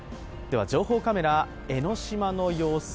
情報カメラ、江の島の様子。